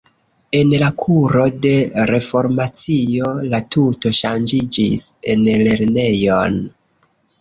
En la kuro de Reformacio la tuto ŝanĝiĝis en lernejon.